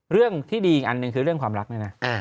เรื่องที่ดีอีกอันหนึ่งคือเรื่องความรักเนี่ยนะ